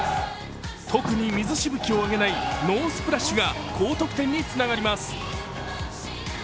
特に水しぶきを上げないノースプラッシュが高得点につながります。